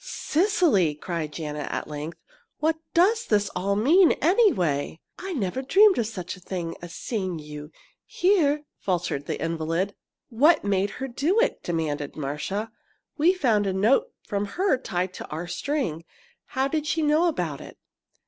"Cecily!" cried Janet, at length, "what does this all mean, anyway?" "I never dreamed of such a thing as seeing you here!" faltered the invalid. "What made her do it?" demanded Marcia. "We found a note from her tied to our string. How did she know about it?"